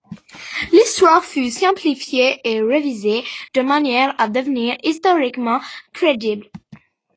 L'histoire fut simplifiée et revisée de manière à devenir historiquement crédible.